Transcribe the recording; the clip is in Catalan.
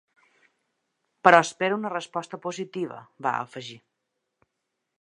Però espero una resposta positiva, va afegir.